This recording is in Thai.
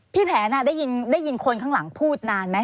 แผนได้ยินคนข้างหลังพูดนานไหม